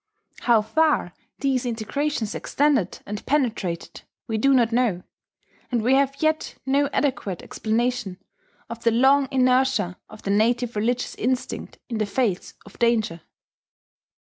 How far these disintegrations extended and penetrated we do not know; and we have yet no adequate explanation of the long inertia of the native religious instinct in the face of danger.